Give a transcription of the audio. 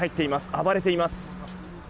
暴れています。